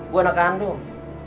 gua anak kandung